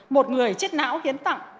một người chết não hiến tạng